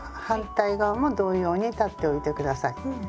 反対側も同様に裁っておいてください。